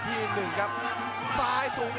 ตีอัดเข้าไปสองที